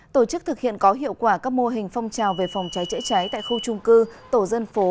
tổ chức thực hiện có hiệu quả các mô hình phong trào về phòng cháy chữa cháy tại khu trung cư tổ dân phố